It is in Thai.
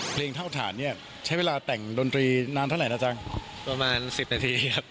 เพลงเท่าฐานเนี่ยใช้เวลาแต่งดนตรีนานเท่าไหร่นะจังประมาณสิบนาทีครับ